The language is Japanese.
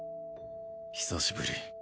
久しぶり。